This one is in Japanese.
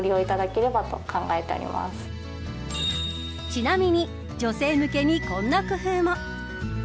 ちなみに女性向けにこんな工夫も。